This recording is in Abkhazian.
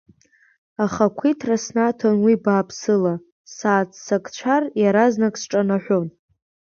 Ахақәиҭра снаҭон уи бааԥсыла, сааццакцәар, иаразнак сҿанаҳәон.